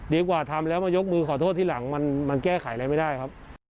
กว่าทำแล้วมายกมือขอโทษทีหลังมันแก้ไขอะไรไม่ได้ครับ